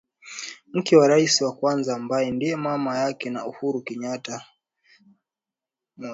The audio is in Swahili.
mke wa rais wa kwanza ambaye ndiye mama yake na Uhuru Kenyattatarehe moja